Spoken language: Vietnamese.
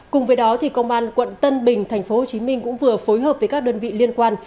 cùng với đó công an tp hcm cũng vừa phối hợp với các đơn vị liên quan